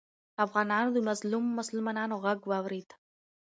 افغانانو د مظلومو مسلمانانو غږ واورېد.